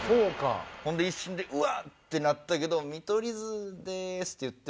ほんで一瞬うわあ！ってなったけど「見取り図です！」って言って。